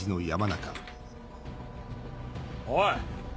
おい！